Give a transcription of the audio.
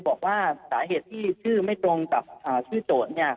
บอกว่าสาเหตุที่ชื่อไม่ตรงกับชื่อโจทย์